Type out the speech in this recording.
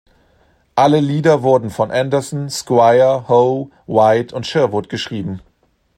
Alle Lieder wurden von Anderson, Squire, Howe, White und Sherwood geschrieben.